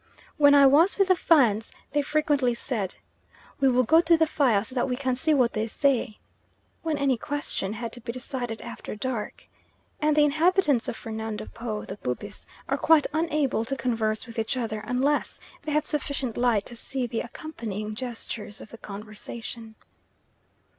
When I was with the Fans they frequently said, "We will go to the fire so that we can see what they say," when any question had to be decided after dark, and the inhabitants of Fernando Po, the Bubis, are quite unable to converse with each other unless they have sufficient light to see the accompanying gestures of the conversation.